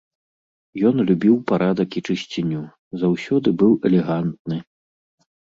Ён любіў парадак і чысціню, заўсёды быў элегантны.